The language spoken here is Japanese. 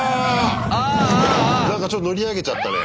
なんかちょっと乗り上げちゃったね。